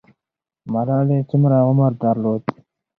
ملالۍ څومره عمر درلود؟